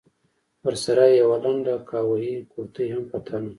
ورسره يې يوه لنډه قهويي کورتۍ هم په تن وه.